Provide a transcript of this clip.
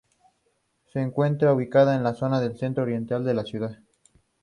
Se encuentra ubicada en la zona centro-oriental de la ciudad.